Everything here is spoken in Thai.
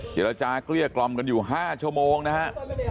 เจรจาเกลี้ยกล่อมกันอยู่๕ชั่วโมงนะฮะ